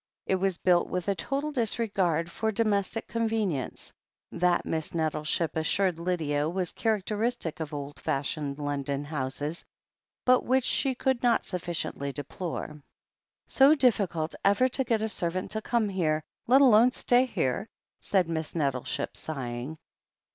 It was built with a total disregard for domestic con venience, that Miss Nettleship assured Lydia was char acteristic of old fashioned London houses, but which she could not sufficiently deplore. "So difficult ever to get a servant to come here, let alone stay here," said Miss Nettleship, sighing.